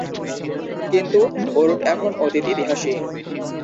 কিন্তু ওর্ড এখন অতীত ইতিহাসই।